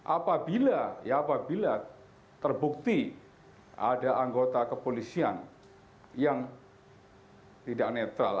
apabila terbukti ada anggota kepolisian yang tidak netral